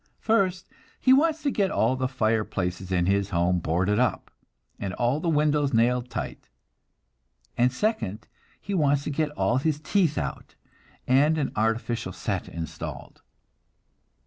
First, he wants to get all the fireplaces in his home boarded up, and all the windows nailed tight; and second, he wants to get all his teeth out, and an artificial set installed.